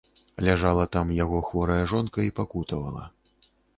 Ляжала там яго хворая жонка і пакутавала.